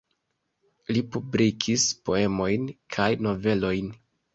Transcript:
Li publikis poemojn kaj novelojn.